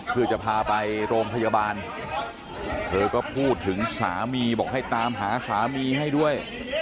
เพื่อจะพาไปโรงพยาบาลเธอก็พูดถึงสามีบอกให้ตามหาสามีให้ด้วย